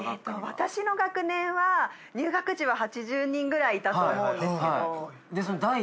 私の学年は入学時は８０人ぐらいいたと思うんですけど。